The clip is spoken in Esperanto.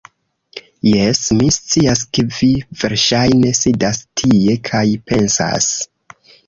Jes, mi scias, ke vi verŝajne sidas tie kaj pensas